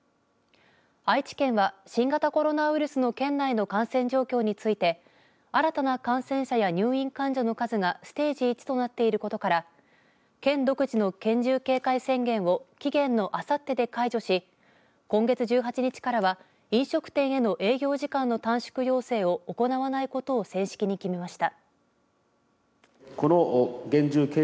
愛知県は、新型コロナウイルスの県内の感染状況について新たな感染者や入院患者の数がステージ１となっていることから県独自の厳重警戒宣言を期限のあさってで解除し今月１８日からは飲食店への営業時間の短縮要請を行わないことを正式に決めました。